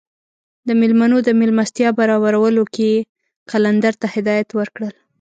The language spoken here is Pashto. د میلمنو د میلمستیا برابرولو کې یې قلندر ته هدایات ورکړل.